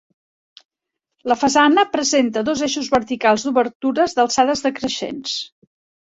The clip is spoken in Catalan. La façana presenta dos eixos verticals d'obertures d'alçades decreixents.